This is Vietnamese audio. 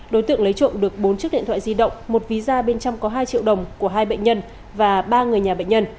đối tượng lấy trộm được bốn chiếc điện thoại di động một ví da bên trong có hai triệu đồng của hai bệnh nhân và ba người nhà bệnh nhân